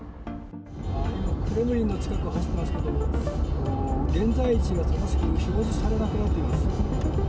クレムリンの近くを走ってますけれども、現在地が正しく表示されなくなっています。